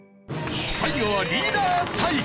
最後はリーダー対決！